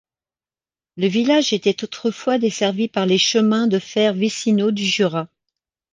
Le village était autrefois desservi par les chemins de fer vicinaux du Jura.